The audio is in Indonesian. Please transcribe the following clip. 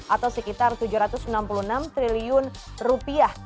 atau sekitar tujuh ratus enam puluh enam triliun rupiah